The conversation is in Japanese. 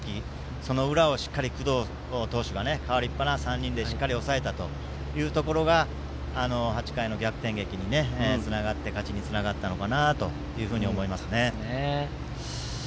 その裏をしっかり工藤投手が代わりっぱなで３人でしっかり抑えたというところが８回の逆転劇につながって勝ちにつながったのかなと思いますね。